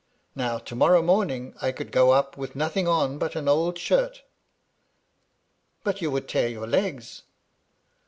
Now, to morrow morning I could go up with nothing on but an old shirt' ^* But you would tear your legs